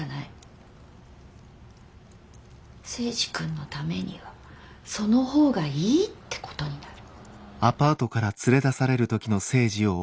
征二君のためにはその方がいいってことになる。